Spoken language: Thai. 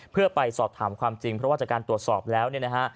เพื่อไปสอบถามความจริงเพราะว่าจากการตรวจสอบแล้วเนี่ยนะฮะ